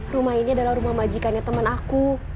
rumah ini adalah rumah majikannya teman aku